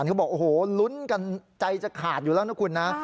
เขาบอกโอ้โหลุ้นกันใจจะขาดอยู่แล้วนะคุณนะ